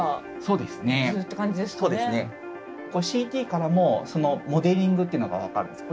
ＣＴからもモデリングっていうのが分かるんです。